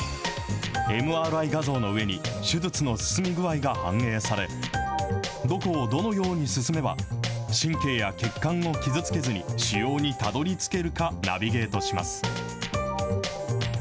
ＭＲＩ画像の上に手術の進み具合が反映され、どこをどのように進めば、神経や血管を傷つけずに腫瘍にたどりつけるか、ナビゲートします。